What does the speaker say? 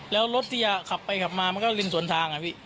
แล้วรถที่จะขับไปขับมามันก็เล่นส่วนทาง